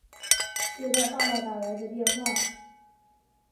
接到爸爸打来的电话